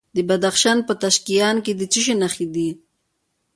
د بدخشان په تیشکان کې د څه شي نښې دي؟